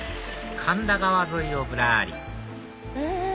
神田川沿いをぶらりうん！